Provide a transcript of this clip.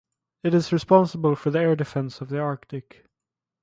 It is responsible for the air defence of the arctic.